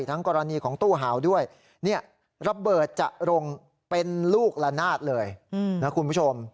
กรณีของตู้หาวด้วยเนี่ยระเบิดจะลงเป็นลูกละนาดเลยนะคุณผู้ชม